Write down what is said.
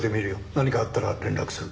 何かあったら連絡する。